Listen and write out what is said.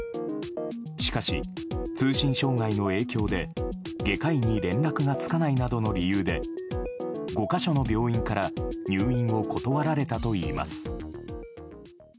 しかし、通信障害の影響で外科医に連絡がつかないなどの理由で５か所の病院から入院を断られたといいます。